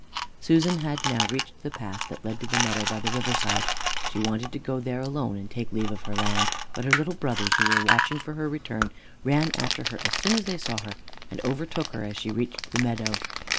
Susan had now reached the path that led to the meadow by the river side. She wanted to go there alone and take leave of her lamb. But her little brothers, who were watching for her return, ran after her as soon as they saw her and overtook her as she reached the meadow.